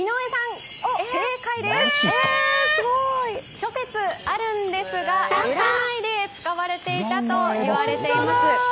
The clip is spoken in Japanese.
諸説あるんですが、占いで使われていたといわれています。